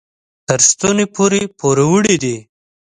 تر ستوني پورې پوروړي دي.